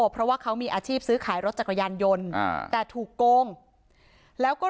เพราะว่าเขามีอาชีพซื้อขายรถจักรยานยนต์แต่ถูกโกงแล้วก็